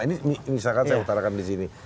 ini misalkan saya utarakan di sini